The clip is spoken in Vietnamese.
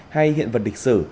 hay hiện vật lịch sử